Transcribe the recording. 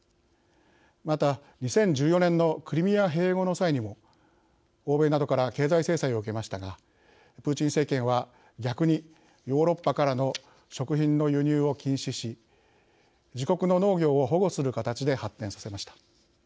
また、２０１４年のクリミア併合の際にも欧米などから経済制裁を受けましたがプーチン政権は逆にヨーロッパからの食品の輸入を禁止し自国の農業を保護する形で発展させました。